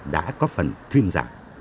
đã có phần thuyên giả